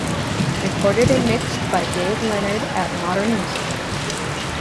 Recorded and Mixed by Dave Leonard at Modern Music.